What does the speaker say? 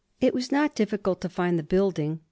It was not difficult to find the building.